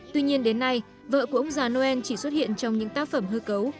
tuy nhiên đến nay vợ của ông già noel chỉ xuất hiện trong những tác phẩm hư cấu